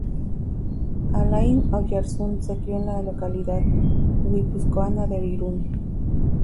Alain Oyarzun se crio en la localidad guipuzcoana de Irún.